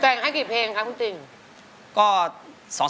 แต่งให้กี่เพลงครับคุณติ่ง